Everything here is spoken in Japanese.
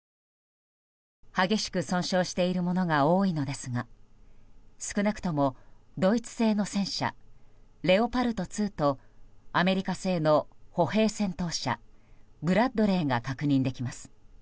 激しく損傷しているものが多いのですが少なくともドイツ製の戦車レオパルト２とアメリカ製の歩兵戦闘車ブラッドレーが確認できます。